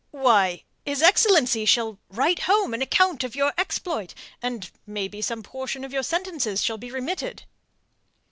"Why his excellency shall write home an account of your exploit, and maybe some portion of your sentences shall be remitted."